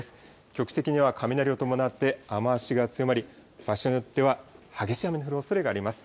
局地的には雷を伴って、雨足が強まり、場所によっては激しい雨の降るおそれがあります。